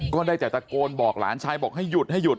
ก็ได้แต่ตะโกนบอกหลานชายบอกให้หยุดให้หยุด